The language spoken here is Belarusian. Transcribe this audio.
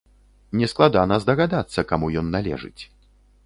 Нескладана здагадацца, каму ён належыць.